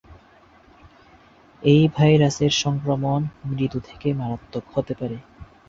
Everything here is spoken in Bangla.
এই ভাইরাসের সংক্রমণ মৃদু থেকে মারাত্মক হতে পারে।